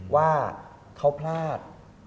ว่าเขาพลาด